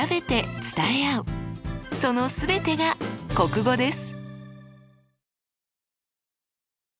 その全てが国語です！